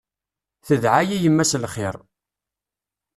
Tedɛa-yi yemma s lxir.